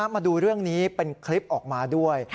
มาดูเรื่องนี้เป็นคลิปออกมาด้วย